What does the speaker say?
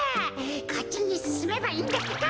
こっちにすすめばいいんだってか。